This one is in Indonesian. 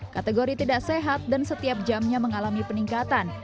kategori tidak sehat dan setiap jamnya mengalami peningkatan